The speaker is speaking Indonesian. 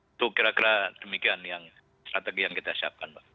itu kira kira demikian yang strategi yang kita siapkan mbak